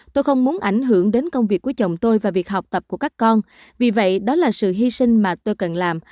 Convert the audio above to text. tôi không muốn ảnh hưởng đến công việc của chồng tôi và việc học tập của các con vì vậy đó là sự hy sinh mà tôi cần làm